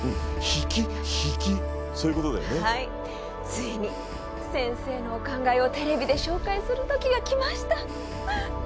ついに先生のお考えをテレビで紹介する時がきました！